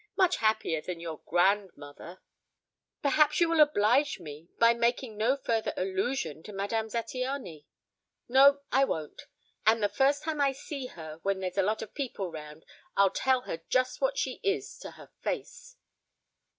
"Much happier than your grand mother " "Perhaps you will oblige me by making no further allusion to Madame Zattiany." "No, I won't. And the first time I see her when there's a lot of people round I'll tell her just what she is to her face."